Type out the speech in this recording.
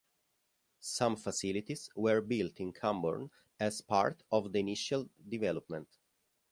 Some facilities were built in Cambourne as part of the initial development.